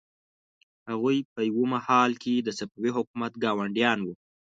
هغوی په یوه مهال کې د صفوي حکومت ګاونډیان وو.